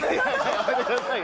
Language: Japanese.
やめてくださいよ。